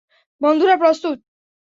বন্ধুরা, প্রস্তুত?